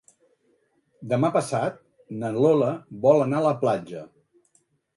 Demà passat na Lola vol anar a la platja.